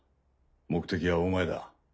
目的はお前だ。